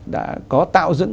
đã có tạo dựng